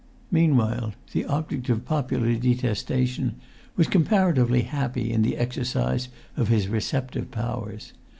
Meanwhile the object of popular detestation was comparatively happy in the exercise of his receptive powers.